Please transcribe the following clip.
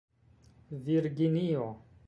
virginio